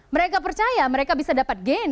mereka percaya mereka bisa dapat gain